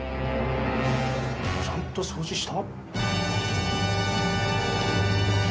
ちゃんと掃除した？